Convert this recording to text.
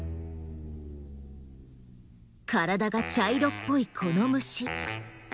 体が茶色っぽいこの虫。